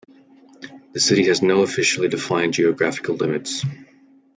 The city has no officially defined geographical limits.